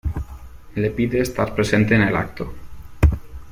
Le pide estar presente en el acto.